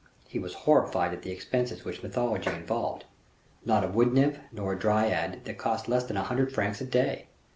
He was horrified at the expenses which mythology involved; not a wood nymph, nor a dryad, that cost less than a hundred francs a day!